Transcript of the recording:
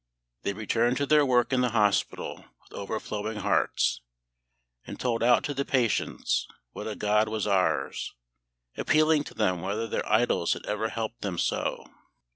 They returned to their work in the hospital with overflowing hearts, and told out to the patients what a GOD was ours; appealing to them whether their idols had ever helped them so.